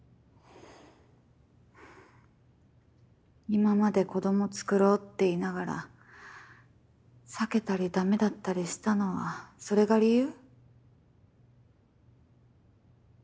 今まで子供つくろうって言いながら避けたり駄目だったりしたのはそれが理由？